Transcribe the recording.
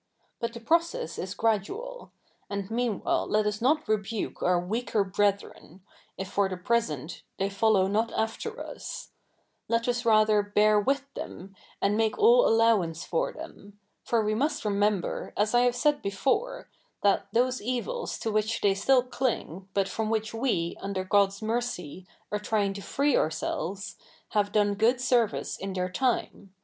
But the process is gradual ; and meanwhile let us not rebuke our weaker brethren, if for the present " they follow not after us ;" let us rather bear with them, and make all alloivance for the?7i ; for we must re??iefnber, as I have said before, that those evils to which they still cling, but from which we, under God's mercy, are trying to free ourselves, have done good service in their time ; a?